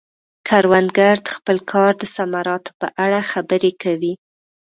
کروندګر د خپل کار د ثمراتو په اړه خبرې کوي